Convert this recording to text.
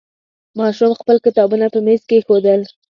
ماشوم خپل کتابونه په میز کېښودل.